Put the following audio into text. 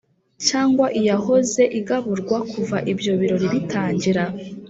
cyangwa iyahoze igaburwa kuva ibyo birori bitangira